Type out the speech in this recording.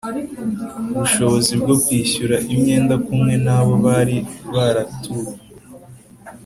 Bushobozi bwo kwishyura imyenda kumwe na bo bari baraturu